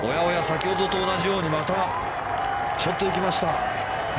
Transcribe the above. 先ほどと同じようにちょっと行きました。